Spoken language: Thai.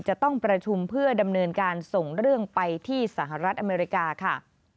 จะต้องประชุมเพื่อดำเนินการส่งเรื่องไปที่สหรัฐอเมริกาค่ะ